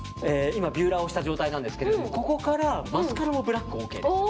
今、ビューラーをした状態なんですけれどもここからマスカラのブラック。